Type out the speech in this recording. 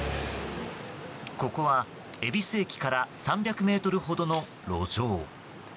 ここは恵比寿駅から３００ｍほどの路上。